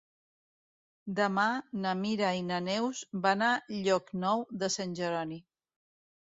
Demà na Mira i na Neus van a Llocnou de Sant Jeroni.